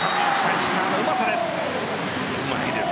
石川のうまさです。